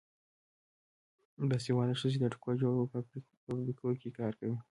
باسواده ښځې د ټوکر جوړولو په فابریکو کې کار کوي.